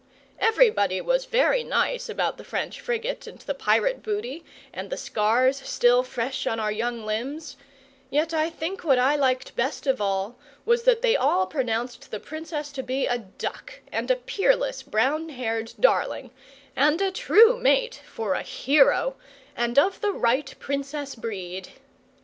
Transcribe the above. Everybody was very nice about the French frigate, and the pirate booty, and the scars still fresh on our young limbs; yet I think what I liked best of all was, that they all pronounced the Princess to be a duck, and a peerless, brown haired darling, and a true mate for a hero, and of the right Princess breed.